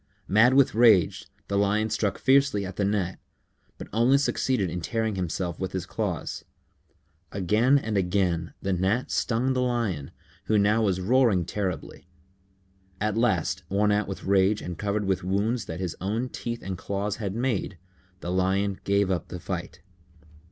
Mad with rage, the Lion struck fiercely at the Gnat, but only succeeded in tearing himself with his claws. Again and again the Gnat stung the Lion, who now was roaring terribly. At last, worn out with rage and covered with wounds that his own teeth and claws had made, the Lion gave up the fight.